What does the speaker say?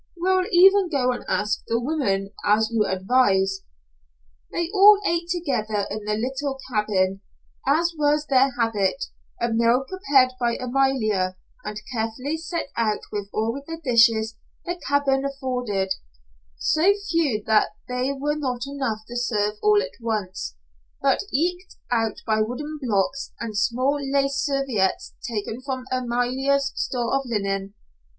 We'll even go and ask the women, as you advise." They all ate together in the little cabin, as was their habit, a meal prepared by Amalia, and carefully set out with all the dishes the cabin afforded: so few that there were not enough to serve all at once, but eked out by wooden blocks, and small lace serviettes taken from Amalia's store of linen.